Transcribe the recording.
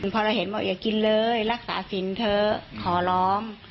พอเราเห็นบอกอย่ากินเลยรักษาสินเถอะขอร้อง